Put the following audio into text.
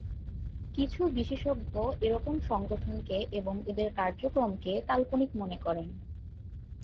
কিছু বিশেষজ্ঞ এরকম সংগঠনকে এবং এদের কার্যক্রমকে কাল্পনিক মনে করেন।